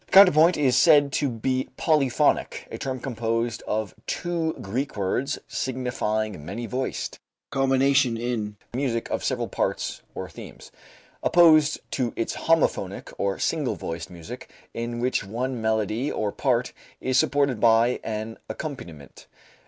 Counterpoint is said to be polyphonic, a term composed of two Greek words signifying many voiced, the combination in music of several parts or themes. Opposed to it is homophonic, or single voiced, music, in which one melody or part is supported by an accompaniment.